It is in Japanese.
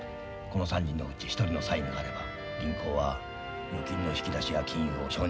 この３人のうち１人のサインがあれば銀行は預金の引き出しや金融を承認する。